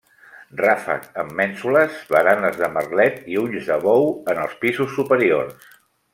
Ràfec amb mènsules, baranes de merlets i ulls de bou en els pisos superiors.